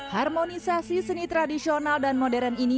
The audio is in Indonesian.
harmonisasi seni tradisional dan modern ini